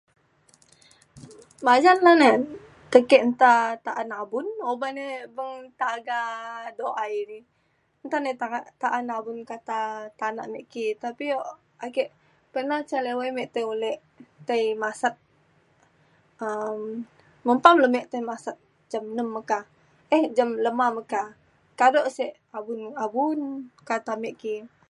majan lan ne tekik nta ta'an abun oban e beng taga doai nta e ta'an abun kata tanak me ki tapi o- ake pernah ca liwai me tei ulek tei masat um mempam le me tai masat jam nem meka eh jam lema meka kado sek abun abun kata ame ki